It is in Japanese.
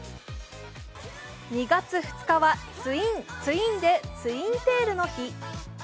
２月２日はツイン・ツインでツインテールの日。